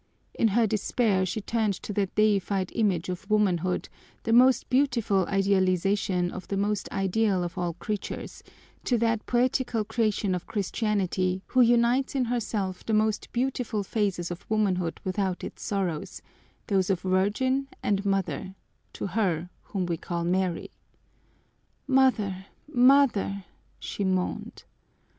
In her despair she turned to that deified image of womanhood, the most beautiful idealization of the most ideal of all creatures, to that poetical creation of Christianity who unites in herself the two most beautiful phases of womanhood without its sorrows: those of virgin and mother, to her whom we call Mary! "Mother, mother!" she moaned.